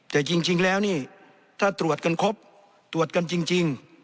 แต่จริงแล้วนี่ถ้าตรวจกันครบตรวจกันจริง